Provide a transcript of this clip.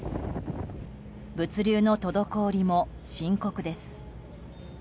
物流の滞りも深刻です。